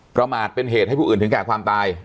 ประมาทเป็นเหตุให้ผู้อื่นถึงแก่ความตาย